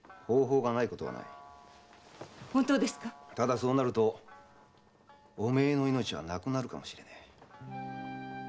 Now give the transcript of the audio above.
本当ですか⁉ただそうなるとお前の命がなくなるかもしれねぇ。